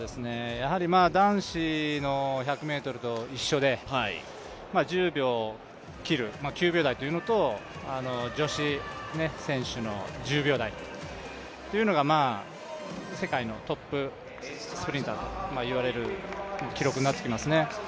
男子の１００ｍと一緒で、１０秒を切る９秒台というのと、女子選手の１０秒台というのが、世界のトップスプリンターと言われる記録になってきますね。